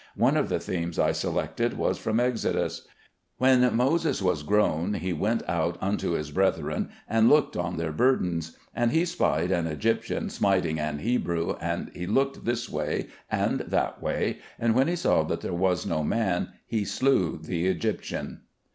One of the themes I selected was from Exodus: "When Moses was grown, he went out unto his brethren, and looked on their burdens, and he spied an Egyptian smiting an Hebrew, and he looked this way, and that way, and when he saw that there was no man, he slew the Egyptian."